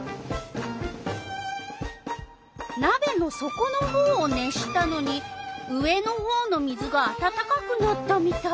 なべのそこのほうを熱したのに上のほうの水があたたかくなったみたい。